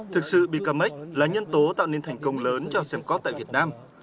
thực sự becamec là nhân tố tạo nên thành công lớn cho semcop tại việt nam